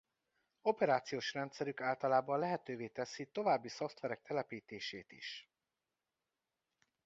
Operációs rendszerük általában lehetővé teszi további szoftverek telepítését is.